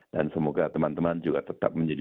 dan semoga teman teman juga tetap menjadi